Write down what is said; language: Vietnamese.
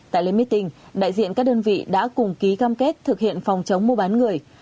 tại lễ meeting đại diện các đơn vị đã cùng ký cam kết thực hiện phòng chống mô bán người